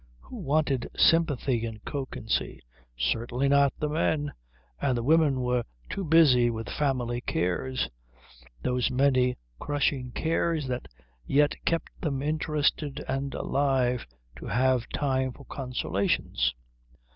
Who wanted sympathy in Kökensee? Certainly not the men, and the women were too busy with family cares, those many crushing cares that yet kept them interested and alive, to have time for consolations.